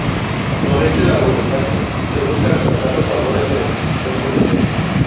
Con este largometraje se busco rescatar los valores de la institución policial.